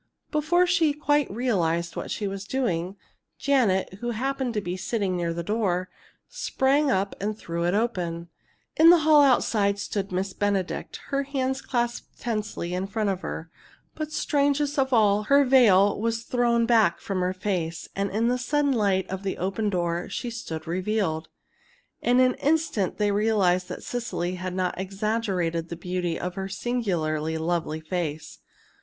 Before she quite realized what she was doing, Janet, who happened to be sitting near the door, sprang up and threw it open. [Illustration: "In the sudden light of the open door she stood revealed"] In the hall outside stood Miss Benedict, her hands clasped tensely in front of her. But, strangest of all, her veil was thrown back from her face, and in the sudden light of the open door she stood revealed! In an instant they realized that Cecily had not exaggerated the beauty of her singularly lovely face.